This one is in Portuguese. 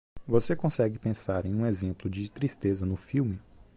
Você consegue pensar em um exemplo de tristeza no filme?